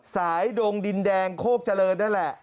ดงดินแดงโคกเจริญนั่นแหละ